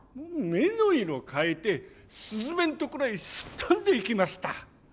目の色変えてすずめのところへすっ飛んでいきました。